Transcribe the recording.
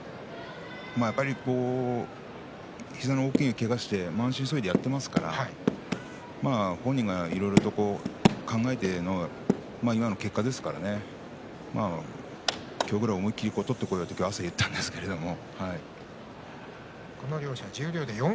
やっぱり膝の大きなけがをして満身創いでやっていますから本人がいろいろと考えても今の結果ですからね今日ぐらい思い切って取ってこいと言ったんですがね。